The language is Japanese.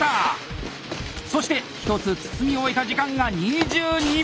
そして１つ包み終えた時間が２２秒！